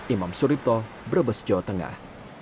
imam suripto brebes jawa tengah